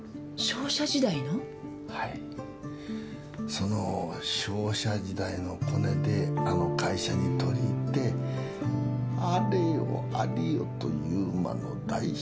その商社時代のコネであの会社に取り入ってあれよあれよという間の大出世ですよ。